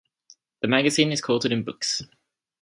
The magazine is quoted in books.